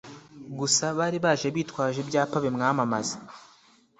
gusa bari baje bitwaje ibyapa bimwamamaza